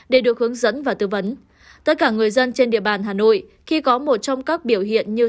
để được hướng dẫn và tư vấn tất cả người dân trên địa bàn hà nội khi có một trong các biểu hiện như